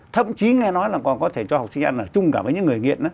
thậm chí nghe nói là còn có thể cho học sinh ăn ở chung cả với những người nghiện